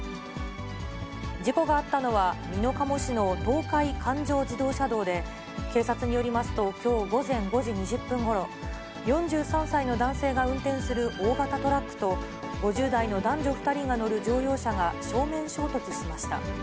事故があったのは、美濃加茂市の東海環状自動車道で、警察によりますと、きょう午前５時２０分ごろ、４３歳の男性が運転する大型トラックと、５０代の男女２人が乗る乗用車が正面衝突しました。